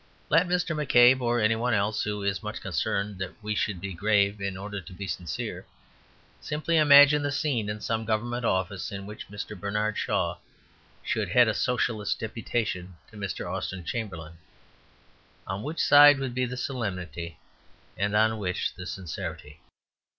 Let Mr. McCabe, or any one else who is much concerned that we should be grave in order to be sincere, simply imagine the scene in some government office in which Mr. Bernard Shaw should head a Socialist deputation to Mr. Austen Chamberlain. On which side would be the solemnity? And on which the sincerity?